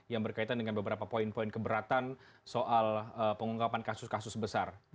yang berkaitan dengan beberapa poin poin keberatan soal pengungkapan kasus kasus besar